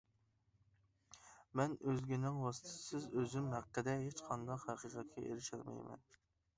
مەن ئۆزگىنىڭ ۋاسىتىسىز ئۆزۈم ھەققىدە ھېچقانداق ھەقىقەتكە ئېرىشەلمەيمەن.